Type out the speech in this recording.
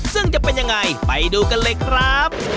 ซึ่งจะเป็นยังไงไปดูกันเลยครับ